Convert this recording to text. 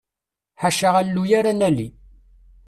Ḥaca alluy ara nali.